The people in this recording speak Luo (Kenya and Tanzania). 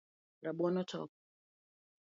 Rabuon otop